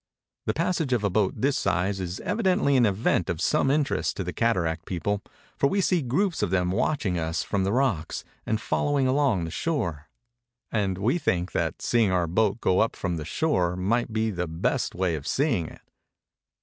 The passage of a boat of this size is evidently an event of some interest to the cataract people, for we see groups of them watching us from the rocks, and following along the shore. And we think that seeing our boat go up from the shore might be the best way of seeing it.